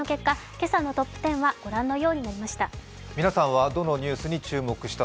今朝のトップ１０はご覧のようになりました。